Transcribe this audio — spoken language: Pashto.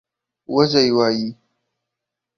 وزۍ وايي